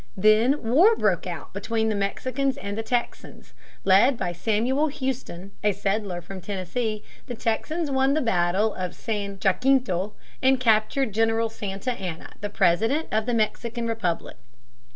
Then war broke out between the Mexicans and the Texans. Led by Samuel Houston, a settler from Tennessee, the Texans won the battle of San Jacinto and captured General Santa Anna, the president of the Mexican Republic.